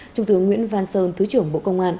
trung tướng nguyễn văn sơn thứ trưởng bộ công an